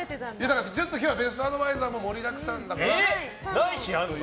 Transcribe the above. ちょっと今日はベストアドバイザーも盛りだくさんだから。